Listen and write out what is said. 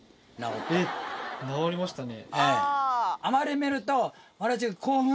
直りましたね。